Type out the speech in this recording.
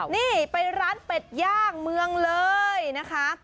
นี่ไปร้านเป็ดย่างเมืองเลยนะคะ